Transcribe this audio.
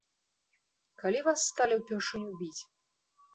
Калі вас сталі ўпершыню біць?